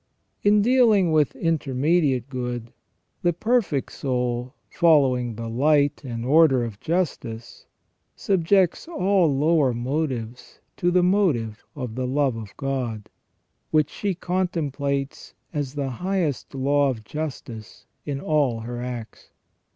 In dealing with intermediate good, the perfect soul, following the light and order of justice, subjects all lower motives to the motive of the love of God, which she contemplates as the highest law of justice in all her acts.